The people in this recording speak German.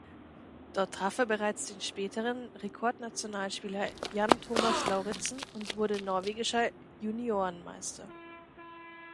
Dort traf er bereits den späteren Rekordnationalspieler Jan Thomas Lauritzen und wurde norwegischer Juniorenmeister.